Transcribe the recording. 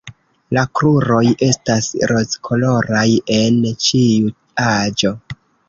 La kruroj estas rozkoloraj en ĉiu aĝo.